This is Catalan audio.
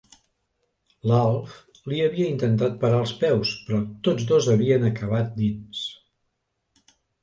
L'Alf li havia intentat parar els peus, però tots dos havien acabat dins.